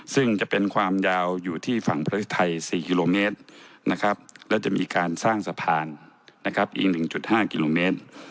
ซึ่งจะเป็นความยาวอยู่ที่ฝั่งประเทศไทย๔กิโลเมตรนะครับและจะมีการสร้างสะพานนะครับอีก๑๕กิโลเมตร